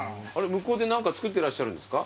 向こうで何か作ってらっしゃるんですか？